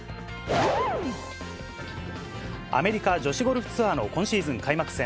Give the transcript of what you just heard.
アメリカ女子ゴルフツアーの今シーズン開幕戦。